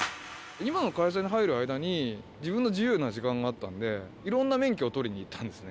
今の会社に入る間に、自分の自由な時間があったんで、いろんな免許を取りに行ったんですね。